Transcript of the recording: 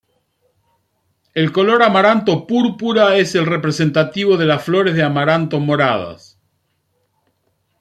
El color amaranto púrpura es representativo de las flores de amaranto moradas.